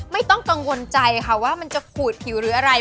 ไม่ต้องกังวลใจค่ะว่ามันจะขูดผิวหรืออะไร